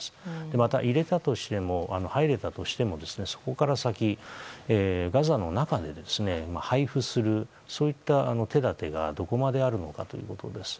また、入れたとしてもそこから先、ガザの中で配布する手立てがどこまであるのかということです。